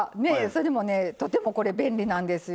それでもねとてもこれ便利なんですよ。